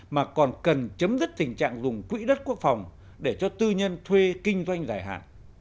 mà còn cần chấm dứt tình trạng dùng quỹ đất quốc phòng để cho tư nhân thuê kinh doanh dài hạn